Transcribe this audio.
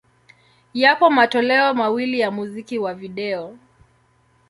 Yapo matoleo mawili ya muziki wa video.